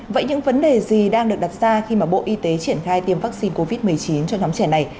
vậy những vấn đề gì đang được đặt ra khi mà bộ y tế triển khai tiêm vaccine covid một mươi chín cho nhóm trẻ này